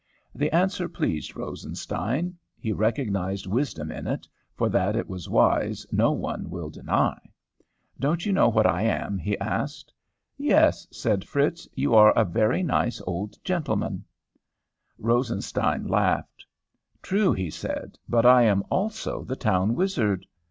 "The answer pleased Rosenstein. He recognized wisdom in it; for that it was wise no one will deny. "'Don't you know what I am?' he asked. [Illustration: "'YOU ARE A VERY NICE OLD GENTLEMAN'"] "'Yes,' said Fritz. 'You are a very nice old gentleman.' "Rosenstein laughed. 'True,' he said. 'But I am also the town wizard.'